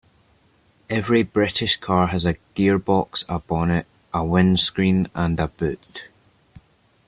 Every British car has a gearbox, a bonnet, a windscreen, and a boot